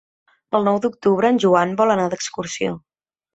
El nou d'octubre en Joan vol anar d'excursió.